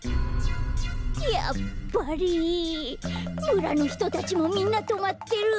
むらのひとたちもみんなとまってる！